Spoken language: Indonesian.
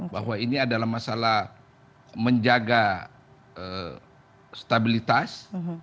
bahwa ini adalah masalah menjaga stabilitas